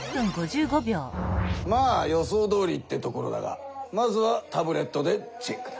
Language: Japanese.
まあ予想どおりってところだがまずはタブレットでチェックだ。